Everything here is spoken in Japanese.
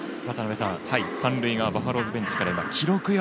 三塁側バファローズベンチから今、記録よ！